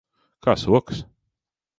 Kā sokas?